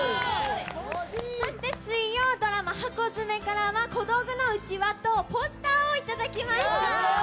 そして水曜ドラマハコヅメからは、小道具のうちわとポスターを頂きました。